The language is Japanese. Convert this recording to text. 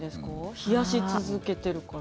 冷やし続けてるから。